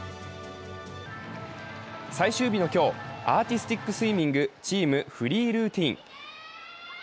最終日の今日、アーティスティックスイミングチーム・フリールーティン。